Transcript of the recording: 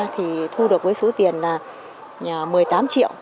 thì thu được với số tiền là một mươi tám triệu